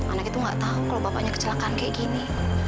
anak itu gak tau kalau bapaknya kecelakaan kayak gini